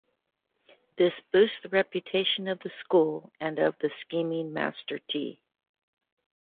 This boosts the reputation of the school and of the scheming Master Tee.